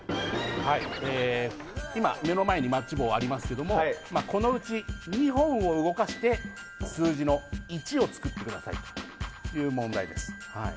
今、目の前にマッチ棒がありますがこのうち２本を動かして数字の１を作ってくださいという問題です。